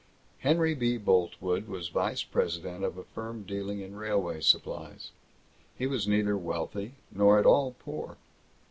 Henry B. Boltwood was vice president of a firm dealing in railway supplies. He was neither wealthy nor at all poor.